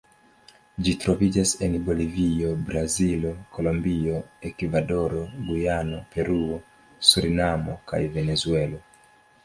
Ĝi troviĝas en Bolivio, Brazilo, Kolombio, Ekvadoro, Gujano, Peruo, Surinamo kaj Venezuelo.